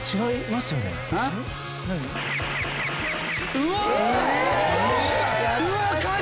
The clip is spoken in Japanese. うわ！